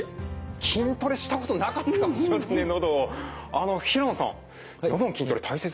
あの平野さんのどの筋トレ大切ですか？